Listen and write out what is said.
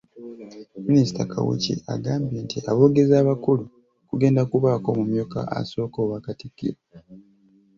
Minisita Kawuki agamba nti aboogezi abakulu kugenda kubaako omumyuka asooka owa Katikkiro .